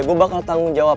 gue bakal tanggung jawab